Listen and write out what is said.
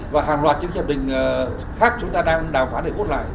và hàng loạt chiếc dẹp đình khác chúng ta đang đàm phán để hút lại